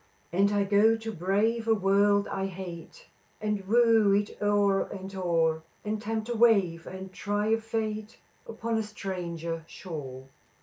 "And I go to brave a world I hate, And woo it o'er and o'er; And tempt a wave and try a fate Upon a stranger shore."